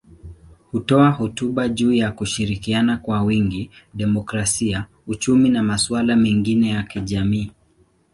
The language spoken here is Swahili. Hutoa hotuba juu ya kushirikiana kwa wingi, demokrasia, uchumi na masuala mengine ya kijamii.